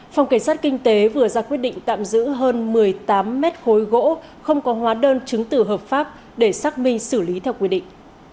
phòng cảnh sát kinh tế vừa ra quyết định tạm giữ hơn một mươi tám mét khối gỗ không có hóa đơn chứng tử hợp pháp để xác minh xử lý theo quy định